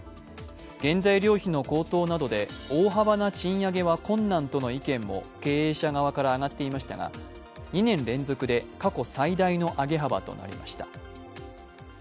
原材料費の高騰などで大幅な賃上げは困難との意見も経営者側から上がっていましたが２年連続で過去最大の上げ幅となりました。